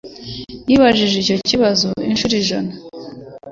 Nibajije icyo kibazo inshuro ijana.